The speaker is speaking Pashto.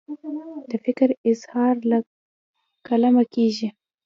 د فکر اظهار له قلمه کیږي.